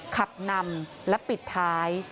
ขับนำและปิดท้าย